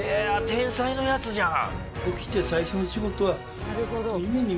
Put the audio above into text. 天才のやつじゃん！